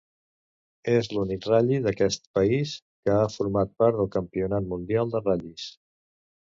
És l'únic ral·li d'aquest país que ha format part del Campionat Mundial de Ral·lis.